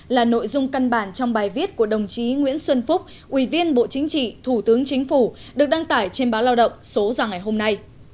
là nội dung căn bản trong bài viết của đồng chí nguyễn xuân phúc ủy viên bộ chính trị thủ tướng chính phủ được đăng tải trên báo lao động số ra ngày hôm nay